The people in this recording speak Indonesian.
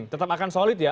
tetap akan solid ya